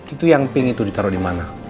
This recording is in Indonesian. itu yang pink itu ditaro di mana